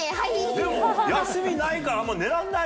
でも休みないから、あんまり寝られない？